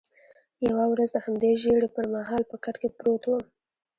یوه ورځ د همدې ژېړي پر مهال په کټ کې پروت وم.